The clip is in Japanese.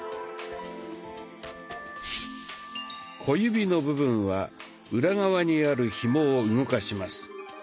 小指の部分は裏側にあるひもを動かします。